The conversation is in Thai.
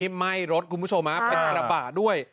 ไหม้รถคุณผู้ชมฮะเป็นกระบะด้วย